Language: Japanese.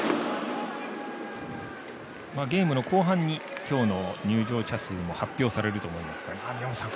ゲームの後半に今日の入場者数も発表されると思いますが宮本さん